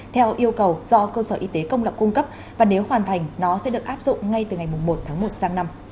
theo yêu cầu do cơ sở y tế công lập cung cấp và nếu hoàn thành nó sẽ được áp dụng ngay từ ngày một tháng một sang năm